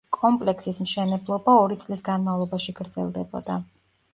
კომპლექსის მშენებლობა ორი წლის განმავლობაში გრძელდებოდა.